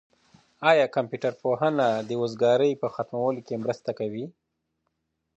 آیا کمپيوټر پوهنه د وزګارۍ په ختمولو کي مرسته کوي؟